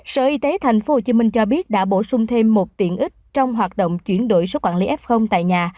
sở y tế tp hcm cho biết đã bổ sung thêm một tiện ích trong hoạt động chuyển đổi số quản lý f tại nhà